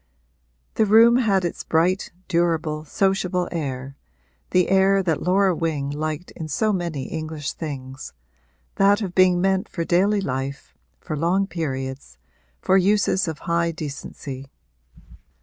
The room had its bright, durable, sociable air, the air that Laura Wing liked in so many English things that of being meant for daily life, for long periods, for uses of high decency.